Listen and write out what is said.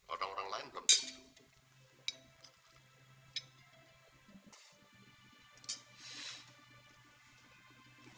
orang orang lain kan begitu